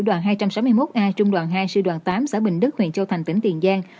đoàn hai trăm sáu mươi một a trung đoàn hai sư đoàn tám xã bình đức huyện châu thành tỉnh tiền giang